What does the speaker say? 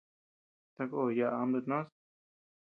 Sakó yaʼa ama nutnós.